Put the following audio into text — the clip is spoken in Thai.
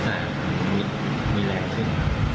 แต่มีแรงขึ้น